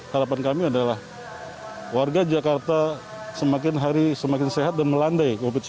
harapan kami adalah warga jakarta semakin hari semakin sehat dan melandai covid sembilan belas